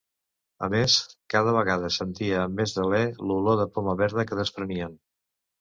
A més, cada vegada sentia amb més deler l'olor de poma verda que desprenien.